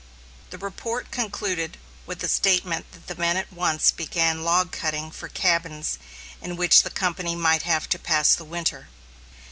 The report concluded with the statement that the men at once began log cutting for cabins in which the company might have to pass the winter.